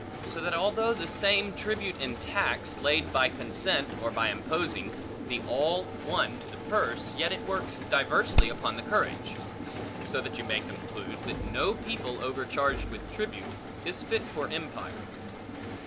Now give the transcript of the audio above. So that although the same tribute and tax, laid by consent or by imposing, be all one to the purse, yet it works diversely upon the courage. So that you may conclude, that no people overcharged with tribute, is fit for empire.